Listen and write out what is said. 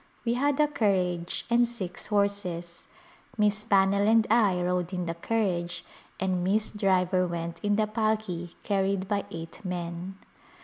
We had a carriage and six horses. Miss Pannell and I rode in the carriage and Miss Driver went in the palki carried by eight men.